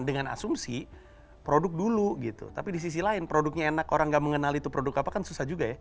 dengan asumsi produk dulu gitu tapi di sisi lain produknya enak orang nggak mengenal itu produk apa kan susah juga ya